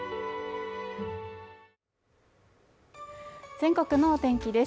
全国のお天気です